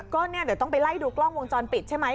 ก็เนี่ยเดี๋ยวต้องไปไล่ดูกล้องวงจรปิดใช่ไหม